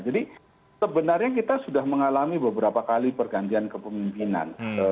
jadi sebenarnya kita sudah mengalami beberapa kali pergantian kepemimpinan